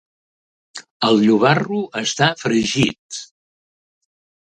Què va passar, aleshores?